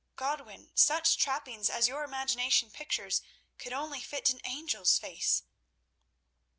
Godwin, such trappings as your imagination pictures could only fit an angel's face."